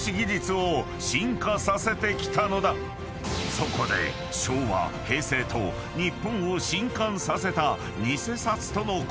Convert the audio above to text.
［そこで昭和平成と日本を震撼させた］